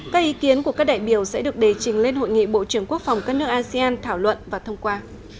các ý kiến của các đại biểu sẽ được đề trình lên hội nghị bộ trưởng quốc phòng các nước asean thảo luận và thông qua